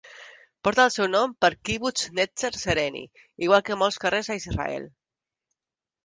Porta el seu nom per Kibbutz Netzer Sereni, igual que molts carrers a Israel.